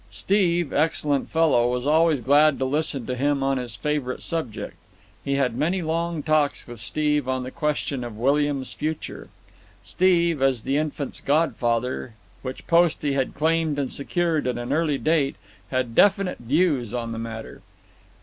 Steve, excellent fellow, was always glad to listen to him on his favourite subject. He had many long talks with Steve on the question of William's future. Steve, as the infant's godfather, which post he had claimed and secured at an early date, had definite views on the matter.